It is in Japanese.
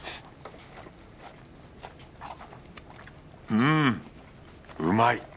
うんうまい！